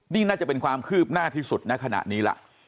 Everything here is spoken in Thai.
นี่น่าจะเป็นความคืบหน้าที่สุดในขณะนี้ล่ะ